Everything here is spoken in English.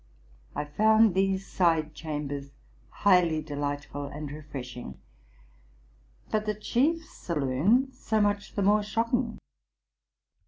I found these side chambers highly delightful and refreshing, but the chief saloon so much the more shocking.